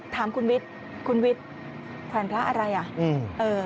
ถามคุณวิทย์คุณวิทย์แขวนพระอะไรอ่ะ